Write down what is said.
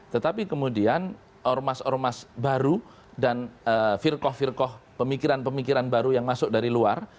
tetapi kemudian ormas ormas baru dan firkoh firkoh pemikiran pemikiran baru yang masuk dari luar